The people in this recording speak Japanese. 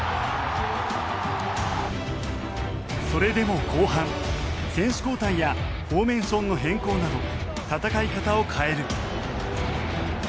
それでも後半選手交代やフォーメーションの変更など戦い方を変える。